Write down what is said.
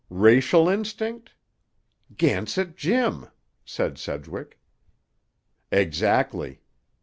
"Racial instinct? Gansett Jim!" said Sedgwick. "Exactly.